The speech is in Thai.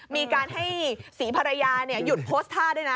มีการให้ศรีภรรยาหยุดโพสต์ท่าด้วยนะ